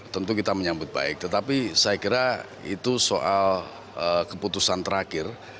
tentu kita menyambut baik tetapi saya kira itu soal keputusan terakhir